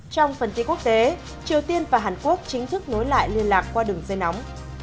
trong phần tin quốc tế triều tiên và hàn quốc chính thức nối lại liên lạc qua đường dây nóng